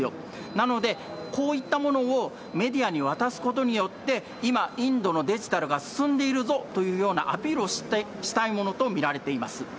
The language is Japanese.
なので、こういったものをメディアに渡すことによって、今、インドのデジタルが進んでいるぞというようなアピールをしたいものと見られています。